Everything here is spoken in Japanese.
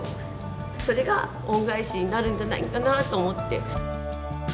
それが恩返しになるんじゃないのかなと思って。